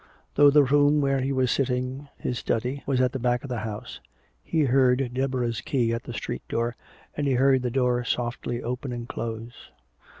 Though the room where he was sitting, his study, was at the back of the house, he heard Deborah's key at the street door and he heard the door softly open and close.